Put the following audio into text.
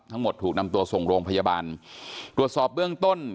ถูกนำตัวส่งโรงพยาบาลตรวจสอบเบื้องต้น